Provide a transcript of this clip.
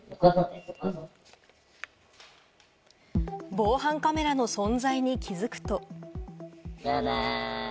防犯カメラの存在に気付くと。